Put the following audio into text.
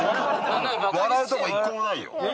笑うとこ１個もないよ？